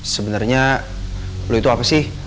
sebenernya lo itu apa sih